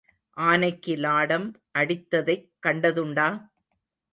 ஆனைக்கு லாடம் அடித்ததைக் கண்டதுண்டா?